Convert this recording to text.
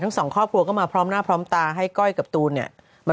ทั้งสองครอบครัวก็มาพร้อมหน้าพร้อมตาให้ก้อยกับตูนเนี่ย